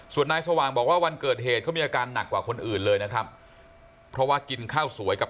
ส่วนนายสวางบอกว่าวันเกิดเหตุเขามีอาการหนักกว่าคนอื่นเลยนะครับ